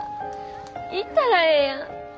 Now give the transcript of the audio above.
行ったらええやん。